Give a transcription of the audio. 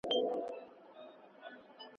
که ته کتاب ولولې، ستا شخصیت به بدل سي.